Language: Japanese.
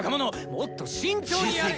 もっと慎重にやれ。